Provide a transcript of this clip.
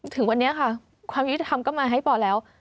ถึงวันเนี้ยค่ะความวิธีทำก็มาให้ปอแล้ว